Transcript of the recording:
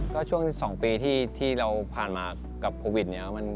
ก็ช่วงที่๒ปีที่เราผ่านมากับโควิดเนี่ย